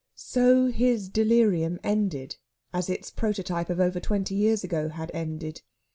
So his delirium ended as its prototype of over twenty years ago had ended.